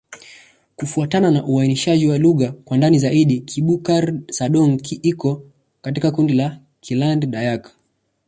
Kufuatana na uainishaji wa lugha kwa ndani zaidi, Kibukar-Sadong iko katika kundi la Kiland-Dayak.